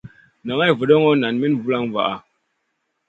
Naŋay vudoŋo, nan min vulaŋ vaʼa.